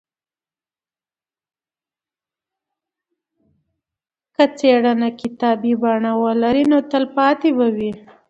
که څېړنه کتابي بڼه ولري نو تلپاتې به وي.